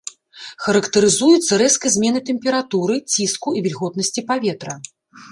Характарызуецца рэзкай зменай тэмпературы, ціску і вільготнасці паветра.